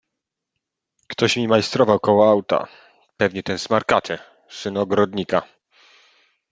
"Ktoś mi majstrował koło auta; pewnie ten smarkaty, syn ogrodnika."